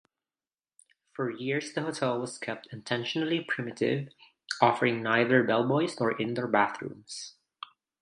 For years the hotel was kept intentionally primitive, offering neither bellboys nor indoor bathrooms.